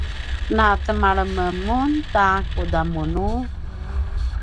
na temalem mun ta kudamunu?